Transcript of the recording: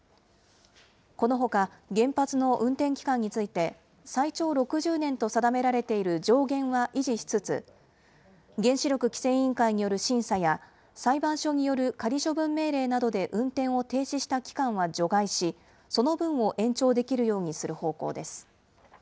このほか、原発の運転期間について、最長６０年と定められている上限は維持しつつ、原子力規制委員会による審査や、裁判所による仮処分命令などで運転を停止した期間は除外し、その分を延長できるようにする方向です。